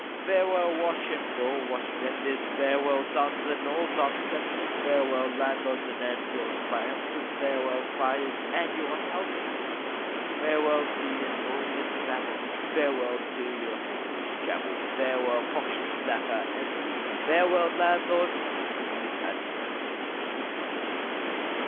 Farewell wash and all wash vendors, Farewell duns and all dun senders, Farewell landlords and your spouses, Farewell spiders and your houses. Farewell to your noise and babble, Farewell to your foolish gabble, Farewell pockets that are empty, Farewell landlords, you've had plenty.